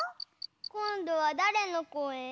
こんどはだれのこえ？